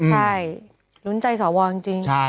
ใช่รุนใจสอวรจริง